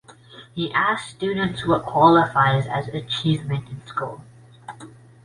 He asked students what qualifies as achievement in school.